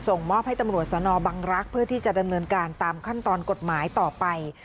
ส่งมอบให้ตำรวจสนบังรักษ์เพื่อที่จะดำเนินการตามขั้นตอนกฎหมายต่อไป